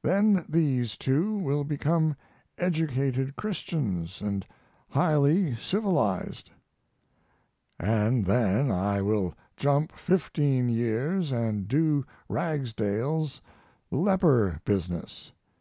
Then these two will become educated Christians and highly civilized. And then I will jump fifteen years and do Ragsdale's leper business.